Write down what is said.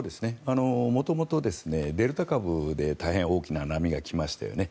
元々、デルタ株で大変大きな波が来ましたよね。